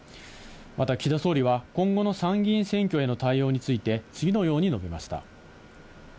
また、岸田総理は、今後の参議院選挙への対応について、次のように述べました。